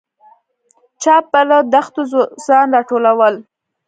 چا به له دښتو ځوځان راټولول.